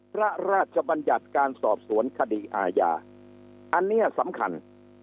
พระราชบัญญัติการสอบสวนคดีอาญาอันนี้สำคัญ